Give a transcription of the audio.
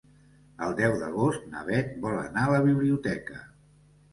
El deu d'agost na Beth vol anar a la biblioteca.